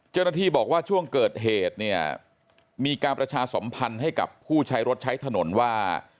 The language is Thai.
เจ้าหน้าที่บอกว่าช่วงเกิดเหตุเนี่ยมีการประชาสมพันธ์ให้กับผู้ใช้รถใช้ถนนว่า